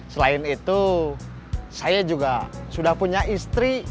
selain itu saya juga sudah punya istri